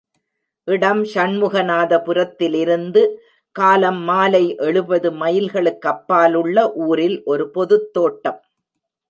இடம் ஷண்முகநாத புரத்திலிருந்து காலம் மாலை எழுபது மைல்களுக்கு அப்பாலுள்ள ஊரில் ஒரு பொதுத் தோட்டம்.